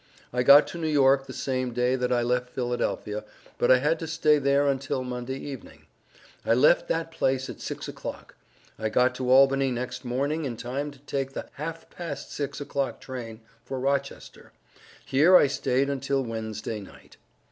I got to New York the same day that I left Philadelphia, but I had to stay there untel Monday evening. I left that place at six o'clock. I got to Albany next morning in time to take the half past six o'clock train for Rochester, here I stay untel Wensday night.